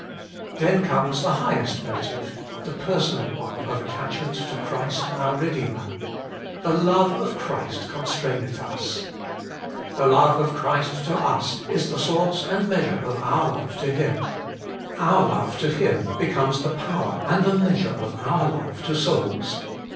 Then comes the highest motive, the per sonal one of attachment to Christ our Re deemer :' The love of Christ constraineth us.' The love of Christ to us is the source and measure of our love to Him. Our love to Him becomes the power and the measure of our love to souls.